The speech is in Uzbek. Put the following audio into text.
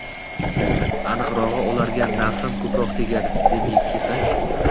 Aniqrog‘i ularga nafim ko‘proq tegadi, — debdi kesak